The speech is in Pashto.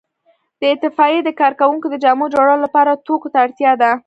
د اطفائیې د کارکوونکو د جامو جوړولو لپاره توکو ته اړتیا ده.